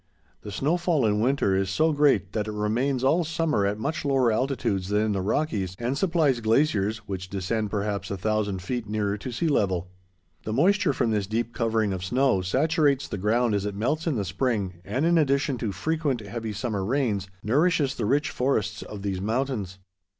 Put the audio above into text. The snowfall in winter is so great that it remains all summer at much lower altitudes than in the Rockies, and supplies glaciers, which descend perhaps a thousand feet nearer to sea level. The moisture from this deep covering of snow, saturates the ground as it melts in the spring, and, in addition to frequent, heavy summer rains, nourishes the rich forests of these mountains.